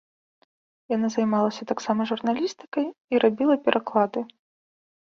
Яна займалася таксама журналістыкай і рабіла пераклады.